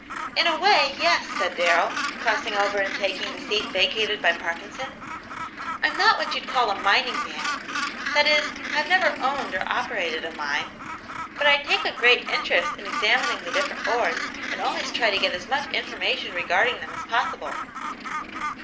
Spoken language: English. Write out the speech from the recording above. "In a way, yes," said Darrell, crossing over and taking the seat vacated by Parkinson. "I'm not what you call a mining man; that is, I've never owned or operated a mine, but I take a great interest in examining the different ores and always try to get as much information regarding them as possible."